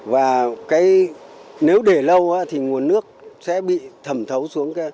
và nếu để lâu thì nguồn nước sẽ bị thẩm thấu xuống